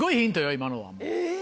今のは。